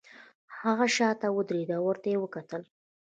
هغه شاته ودریده او ورته یې وکتل